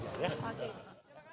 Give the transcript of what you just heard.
terima kasih pak sehat sehat pak